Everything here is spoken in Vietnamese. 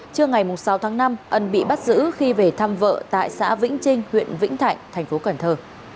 trưa ngày sáu tháng năm ấn bị bắt giữ khi về thăm vợ tại xã vĩnh trinh huyện vĩnh thạnh tp cần thơ